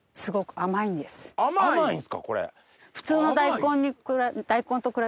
甘いんすかこれ。